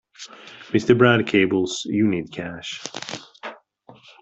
Mr. Brad cables you need cash.